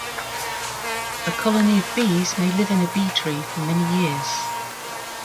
A colony of bees may live in a bee tree for many years.